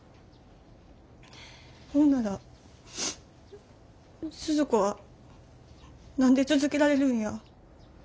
ほんならスズ子は何で続けられるんや？